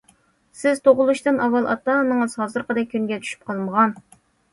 سىز تۇغۇلۇشتىن ئاۋۋال ئاتا- ئانىڭىز ھازىرقىدەك كۈنگە چۈشۈپ قالمىغان.